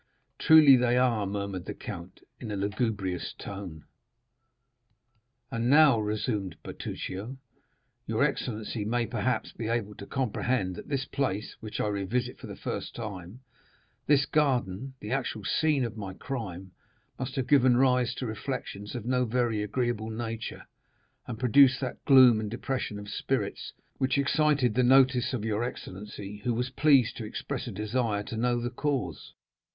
"Truly they are," murmured the count in a lugubrious tone. "And now," resumed Bertuccio, "your excellency may, perhaps, be able to comprehend that this place, which I revisit for the first time—this garden, the actual scene of my crime—must have given rise to reflections of no very agreeable nature, and produced that gloom and depression of spirits which excited the notice of your excellency, who was pleased to express a desire to know the cause.